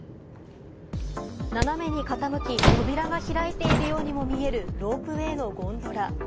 斜めに傾き、扉が開いているようにも見えるロープウエーのゴンドラ。